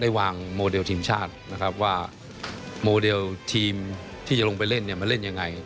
ได้วางโมเดลทีมชาติว่าโมเดลทีมที่จะลงไปเล่นมาเล่นยังไง